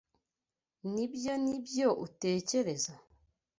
Nibyo nibyo utekereza?